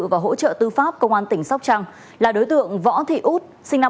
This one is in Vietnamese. và hỗ trợ tư pháp công an tỉnh sóc trăng là đối tượng võ thị út sinh năm một nghìn chín trăm tám mươi